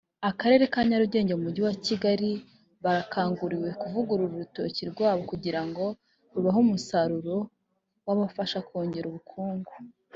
Akarere ka Nyarugenge mu mujyi wa Kigali bakanguriwe kuvugurura urutoki rwabo kugira ngo rubahe umusaruro wabafasha kongera ubukungu